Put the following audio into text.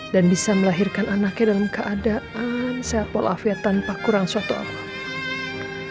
dan bisa melahirkan anaknya dalam keadaan sehat walafiat tanpa kurang suatu alam